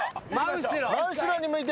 真後ろに向いて。